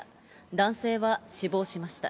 男性は死亡しました。